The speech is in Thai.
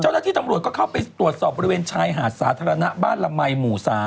เจ้าหน้าที่ตำรวจก็เข้าไปตรวจสอบบริเวณชายหาดสาธารณะบ้านละมัยหมู่๓